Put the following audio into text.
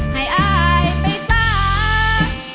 ให้อายไปสร้าง